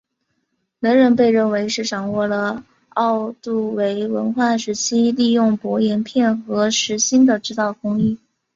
能人被认为是掌握了奥杜韦文化时期利用薄岩片和石芯的制造工艺。